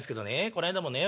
この間もね